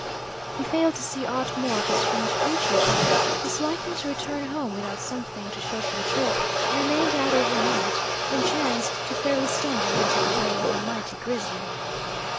He failed to see aught more of the strange creature, but, disliking to return home without something to show for the trip, remained out over night, then chanced to fairly stumble into the way of a mighty grizzly.